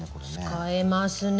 使えますね。